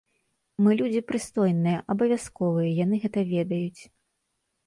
Мы людзі прыстойныя, абавязковыя, яны гэта ведаюць.